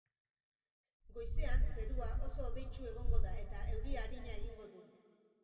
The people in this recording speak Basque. Goizean, zerua oso hodeitsu egongo da eta euri arina egingo du.